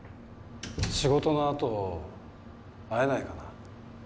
仕事のあと会えないかな？